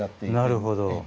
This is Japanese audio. なるほど。